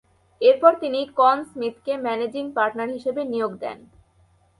এরপর তিনি কন স্মিথকে ম্যানেজিং পার্টনার হিসেবে নিয়োগ দেন।